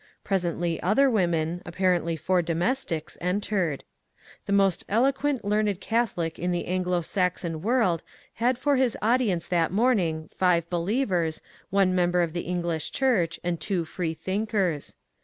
Presently other women, apparently four domestics, entered. The most eloquent learned Catholic in the Ainglo Saxon world had for his audience that morning five believers, one member of the English Church, and two freethinkers.